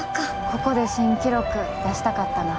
ここで新記録出したかったな。